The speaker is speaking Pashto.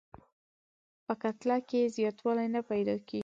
په کتله کې یې زیاتوالی نه پیدا کیږي.